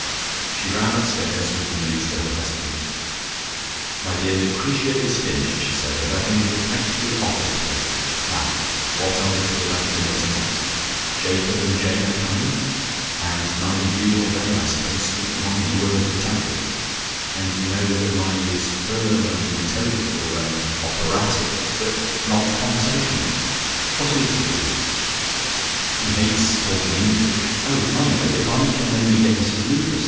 She ran upstairs with the news to her husband. "My dear, 'Lucretia' is finished," she said, "and that angel practically offers it me. Now what are we to do about dinner tonight? Jacob and Jane are coming, and neither you nor they, I suppose, speak one word of Italian, and you know what mine is, firm and intelligible and operatic but not conversational. What are we to do? He hates talking English.... Oh, I know, if I can only get Mrs Lucas.